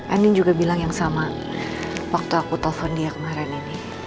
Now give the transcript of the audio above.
anin juga bilang yang sama waktu aku telepon dia kemarin ini